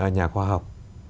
nhà khoa học